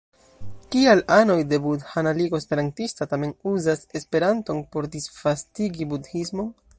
Kial anoj de Budhana Ligo Esperantista tamen uzas Esperanton por disvastigi budhismon?